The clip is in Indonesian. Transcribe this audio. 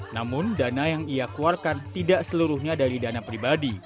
namun dana yang ia keluarkan tidak seluruhnya dari dana pribadi